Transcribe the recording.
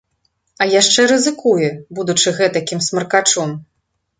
А яшчэ рызыкуе, будучы гэтакім смаркачом.